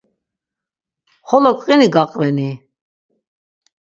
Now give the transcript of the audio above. Xolo qini gaqveni?